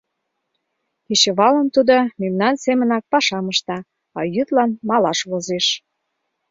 — Кечывалым тудо мемнан семынак пашам ышта, а йӱдлан малаш возеш.